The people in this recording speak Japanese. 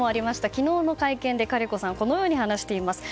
昨日の会見でカリコさんはこのように話しています。